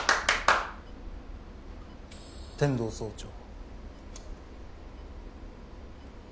天堂総長。